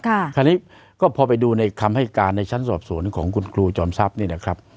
คราวนี้ก็พอไปดูในคำให้การในชั้นสอบสวนของคุณครูจอมทรัพย์นี่นะครับ